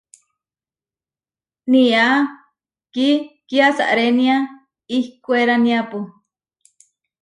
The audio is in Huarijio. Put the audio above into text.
Niá ki kiasarénia ihkwéraniapu.